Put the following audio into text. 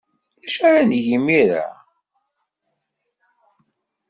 D acu ara neg imir-a?